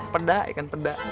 pedah ikan pedah